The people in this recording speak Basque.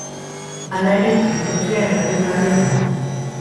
Hala ere, geltokia erabilgarria da.